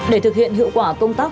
để thực hiện hiệu quả công tác